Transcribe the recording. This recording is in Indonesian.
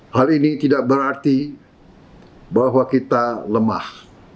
hal ini tidak berarti bahwa kita lemah